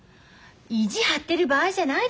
意地張ってる場合じゃないでしょ！？